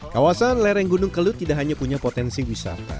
kawasan lereng gunung kelut tidak hanya punya potensi wisata